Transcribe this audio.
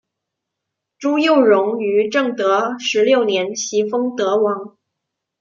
朱佑榕于正德十六年袭封德王。